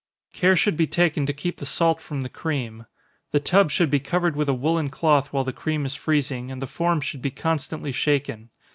Care should be taken to keep the salt from the cream. The tub should be covered with a woollen cloth while the cream is freezing, and the form should be constantly shaken.